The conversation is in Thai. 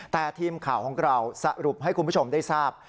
แต่ทีมข่าวของเราสรุปให้คุณผู้ชมได้ทราบ